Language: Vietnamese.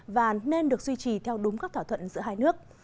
và nên được duy trì theo đúng các thỏa thuận giữa hai nước